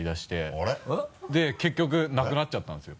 あれ？で結局なくなっちゃったんですよ。